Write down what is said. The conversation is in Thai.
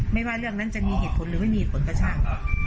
ไม่ว่าเรื่องนั้นจะมีเหตุผลหรือไม่มีผลกระทบ